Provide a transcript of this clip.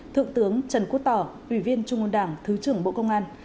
thượng tướng trần quốc tỏ ủy viên trung ương đảng thứ trưởng bộ công an